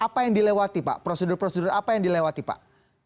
apa yang dilewati pak prosedur prosedur apa yang dilewati pak